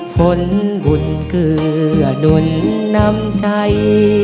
ผลบุญเกลือหนุนนำใจ